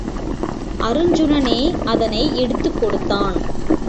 அருச்சுனனே அதனை எடுத்துக் கொடுத்தான்.